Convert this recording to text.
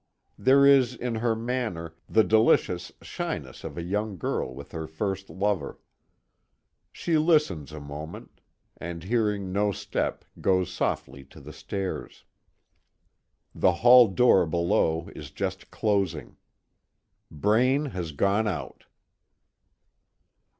There is in her manner, the delicious shyness of a young girl with her first lover. She listens a moment, and hearing no step, goes softly to the stairs. The hall door below is just closing. Braine has gone out.